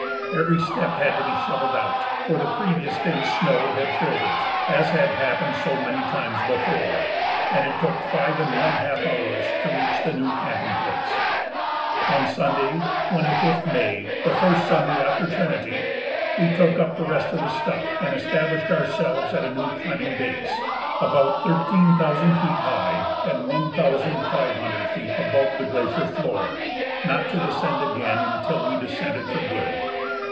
Every step had to be shovelled out, for the previous day's snow had filled it, as had happened so many times before, and it took five and one half hours to reach the new camping place. On Sunday, 25th May, the first Sunday after Trinity, we took up the rest of the stuff, and established ourselves at a new climbing base, about thirteen thousand feet high and one thousand five hundred feet above the glacier floor, not to descend again until we descended for good.